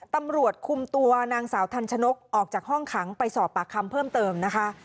ตำรวจคุมตัวนางสาวทันชนกออกจากห้องขังไปสอบปากคำเพิ่มเติมนะคะ